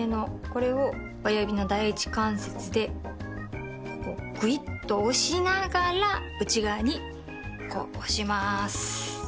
これを親指の第一関節でぐいっと押しながら内側に押します。